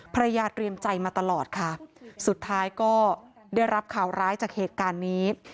ภรรยาเตรียมใจมาตลอดค่ะสุดท้ายก็ได้รับข่าวร้ายจากเหตุการณ์นี้